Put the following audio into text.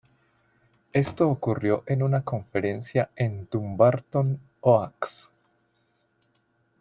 Esto ocurrió en una conferencia en Dumbarton Oaks.